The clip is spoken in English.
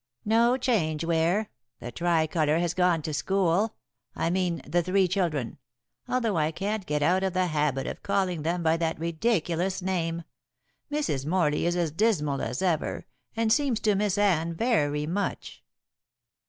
"No change, Ware. The Tricolor has gone to school I mean the three children although I can't get out of the habit of calling them by that ridiculous name. Mrs. Morley is as dismal as ever, and seems to miss Anne very much."